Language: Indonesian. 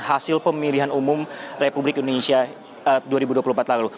hasil pemilihan umum republik indonesia dua ribu dua puluh empat lalu